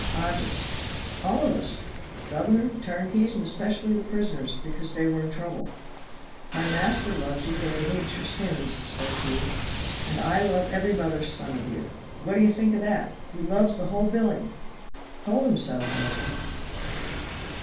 Hodges. All of us. Governor, turnkeys, and especially the prisoners, because they were in trouble. "My Master loves you, though He hates your sins," says he; and "I love every mother's son of you." What d'ye think of that? He loves the whole biling! Told 'em so, however.